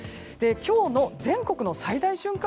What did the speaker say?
今日の全国の最大瞬間